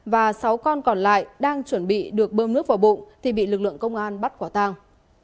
và sáu con còn lại đang chuẩn bị được bơm nước vào bụng thì bị lực lượng công an bắt quả tang